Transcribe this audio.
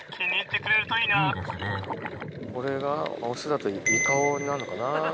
これがオスだとイカ雄になるのかな。